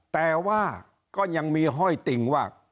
แต่ว่าก็ยังมีห้อยติ่งว่า